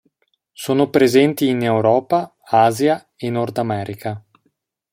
Sono presenti in Europa, Asia e Nordamerica.